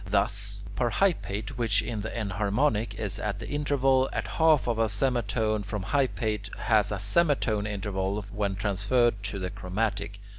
Thus, parhypate, which in the enharmonic is at the interval of half a semitone from hypate, has a semitone interval when transferred to the chromatic.